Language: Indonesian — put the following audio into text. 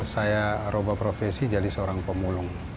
dua ribu empat saya roboh profesi jadi seorang pemulung